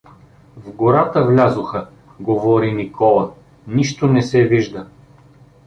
— В гората влязоха — говори Никола. — Нищо не се вижда.